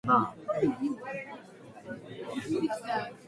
明日は公園でピクニックをする予定だ。